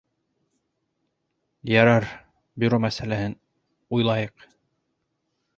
Ярар, бюро мәсьәлә һен уйлайыҡ